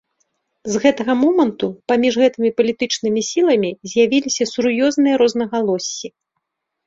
З гэтага моманту паміж гэтымі палітычнымі сіламі з'явіліся сур'ёзныя рознагалоссі.